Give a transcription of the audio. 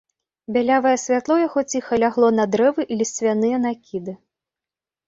Бялявае святло яго ціха лягло на дрэвы і лісцвяныя накіды.